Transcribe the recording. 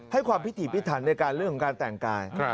ความพิถีพิถันในการเรื่องของการแต่งกาย